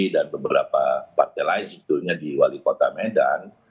dan beberapa partai lain di wali kota medan